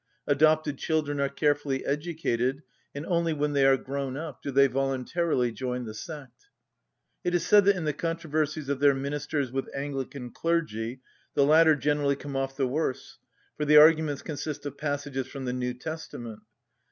Adopted children are carefully educated, and only when they are grown up do they voluntarily join the sect. It is said that in the controversies of their ministers with Anglican clergy the latter generally come off the worse, for the arguments consist of passages from the New Testament.